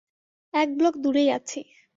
এক ব্লক দূরেই আছি।